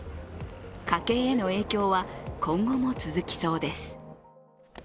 家計への影響は今後も続きそうです。